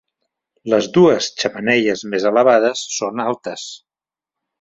Les dues xemeneies més elevades són altes.